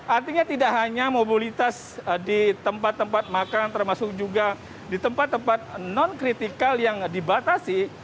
artinya tidak hanya mobilitas di tempat tempat makan termasuk juga di tempat tempat non kritikal yang dibatasi